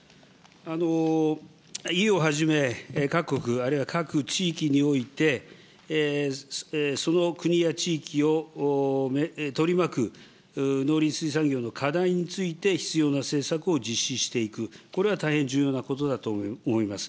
ＥＵをはじめ、各国あるいは各地域において、その国や地域を取り巻く農林水産業の課題について、必要な政策を実施していく、これは大変重要なことだと思います。